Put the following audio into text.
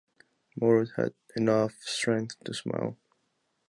Mouret had enough strength to smile.